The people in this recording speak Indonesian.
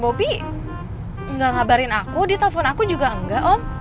bobby gak ngabarin aku dia telepon aku juga enggak om